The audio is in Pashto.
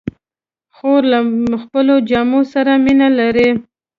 خور له خپلو جامو سره مینه لري.